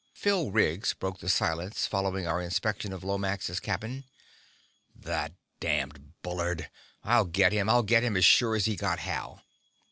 Phil Riggs broke the silence following our inspection of Lomax's cabin. "That damned Bullard! I'll get him, I'll get him as sure as he got Hal!"